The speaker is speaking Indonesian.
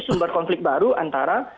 sumber konflik baru antara